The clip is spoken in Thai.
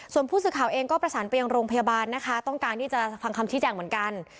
ส่วนผู้สื่อข่าวเองก็ประสานไปยังโรงพยาบาลนะคะต้องการที่จะฟังคำชี้แจงเหมือนกัน